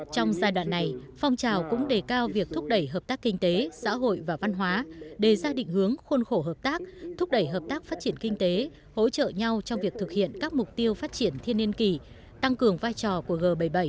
trong giai đoạn này phong trào cũng đề cao việc thúc đẩy hợp tác kinh tế xã hội và văn hóa đề ra định hướng khuôn khổ hợp tác thúc đẩy hợp tác phát triển kinh tế hỗ trợ nhau trong việc thực hiện các mục tiêu phát triển thiên niên kỳ tăng cường vai trò của g bảy mươi bảy